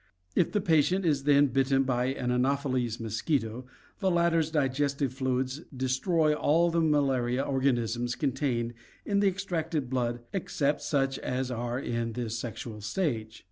If the patient is then bitten by an Anopheles mosquito, the latter's digestive fluids destroy all of the malaria organisms contained in the extracted blood except such as are in this sexual stage.